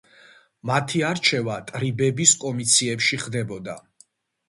მათი არჩევა ტრიბების კომიციებში ხდებოდა.